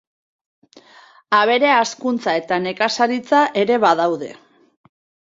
Abere hazkuntza eta nekazaritza ere badaude.